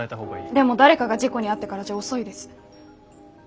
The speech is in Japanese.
でも誰かが事故に遭ってからじゃ遅いです。